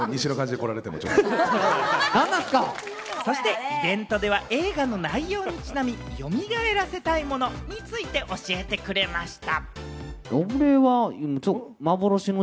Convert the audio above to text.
そしてイベントでは映画の内容にちなみ、よみがえらせたいものについて教えてくれました。